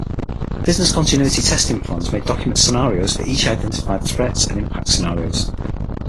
Business continuity testing plans may document scenarios for each identified threats and impact scenarios.